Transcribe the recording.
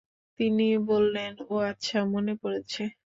তিনি বললেন, ও আচ্ছা, মনে পড়েছে।